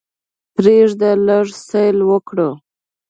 پریږده لږ سیل وکړو.